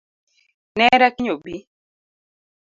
Nera kiny obi